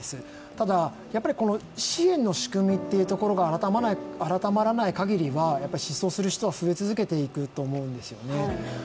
ただやっぱり支援の仕組みというところが改まらないかぎりは失踪する人は増え続けていくと思うんですよね